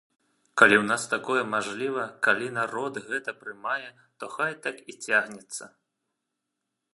Калі ў нас такое мажліва, калі народ гэта прымае, то хай так і цягнецца.